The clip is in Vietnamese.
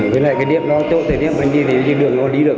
với lại cái điếp đó chỗ thể điếp mình đi thì đường nó đi được